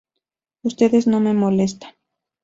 Ustedes no me molestan".